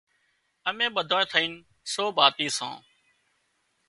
اَمين ٻڌانئين ٿئينَ سو ڀاتِي سان۔